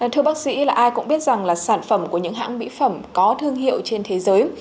thưa bác sĩ ai cũng biết rằng là sản phẩm của những hãng mỹ phẩm có thương hiệu trên thế giới